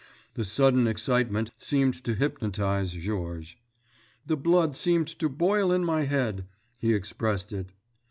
The sudden excitement seemed to hypnotize Georges. "The blood seemed to boil in my head," he expressed it.